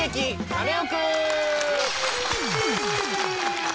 カネオくん」！